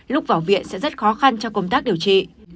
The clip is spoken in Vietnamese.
lúc vào viện sẽ rất khó khăn cho công tác điều trị